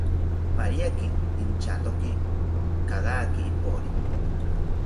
Pariaki inchatoki kagaki ipori